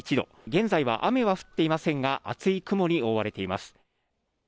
現在は雨は降っていませんが、厚い雲に覆われています。